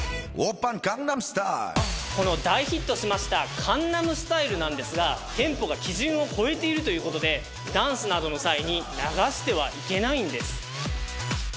この大ヒットしましたカンナムスタイルなんですが、テンポが基準を超えているということで、ダンスなどの際に流してはいけないんです。